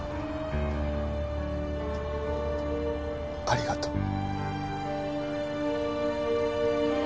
ありがとう。